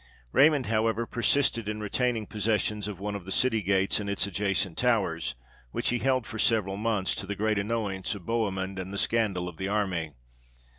Raymond, however, persisted in retaining possession of one of the city gates and its adjacent towers, which he held for several months, to the great annoyance of Bohemund and the scandal of the army.